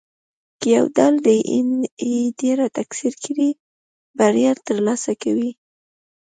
که یو ډول ډېایناې ډېره تکثر کړي، بریا ترلاسه کوي.